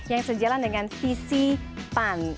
yang sejalan dengan visi pan